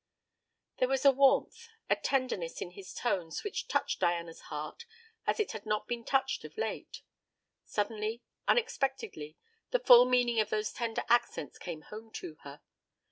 There was a warmth, a tenderness in his tones which touched Diana's heart as it had not been touched of late. Suddenly, unexpectedly, the full meaning of those tender accents came home to her.